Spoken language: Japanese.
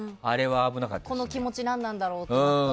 この気持ちは何なんだろうって。